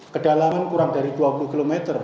kedalaman kurang dari dua puluh km